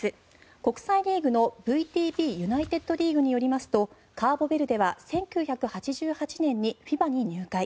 国際リーグのＶＴＢユナイテッドリーグによりますとカボベルデは１９８８年にＦＩＢＡに入会。